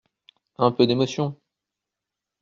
Un peu d’émotion…